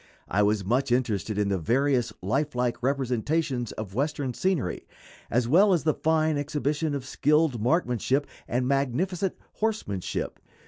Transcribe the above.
I was much interested in the various lifelike representations of Western scenery, as well as the fine exhibition of skilled marksmanship and magnificent horsemanship.